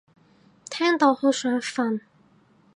聽到好想瞓